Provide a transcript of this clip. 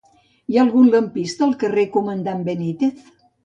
Hi ha algun lampista al carrer del Comandant Benítez?